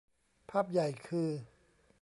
ภาพใหญ่คือ